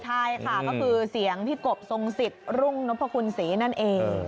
ใช่ค่ะก็คือเสียงพี่กบทรงสิทธิ์รุ่งนพคุณศรีนั่นเอง